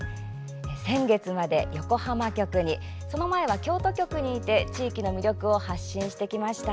先月まで横浜局にその前は京都局にいて地域の魅力を発信してきました。